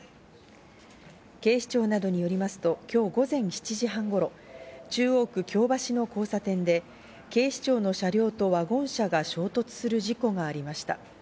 警視庁などによりますと今日午前７時半頃、中央区京橋の交差点で警視庁の車両とワゴン車が衝突する事故がありました。